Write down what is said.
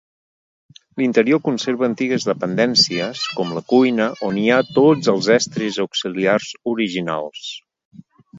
L'interior conserva antigues dependències com la cuina on hi ha tots els estris auxiliars originals.